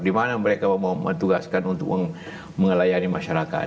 di mana mereka mau tugaskan untuk mengelayani masyarakat